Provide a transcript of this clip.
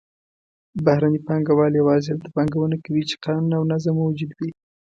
بهرني پانګهوال یوازې هلته پانګونه کوي چې قانون او نظم موجود وي.